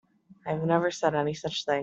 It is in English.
I never said any such thing.